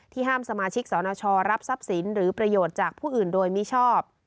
ห้ามสมาชิกสนชรับทรัพย์สินหรือประโยชน์จากผู้อื่นโดยมิชอบ